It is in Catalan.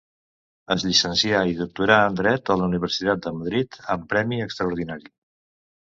Es llicencià i doctorà en dret a la Universitat de Madrid amb premi extraordinari.